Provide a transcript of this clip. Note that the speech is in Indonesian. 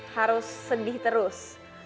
harus sedih terus